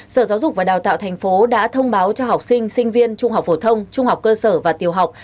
sở giáo dục và đào tạo thành phố đã thông báo cho học sinh sinh viên trung học phổ thông trung học cơ sở và tiều học